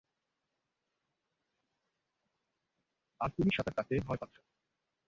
আর তুমি সাঁতার কাটতেই ভয় পাচ্ছো।